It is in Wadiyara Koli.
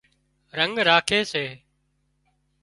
رنڳ راکي سي